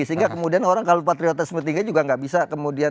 sehingga kemudian orang kalau patriotisme tiga juga nggak bisa kemudian